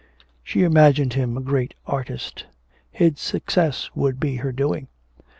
She imagined him a great artist; his success would be her doing.